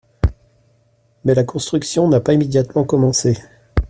Mais la construction n'a pas immédiatement commencé.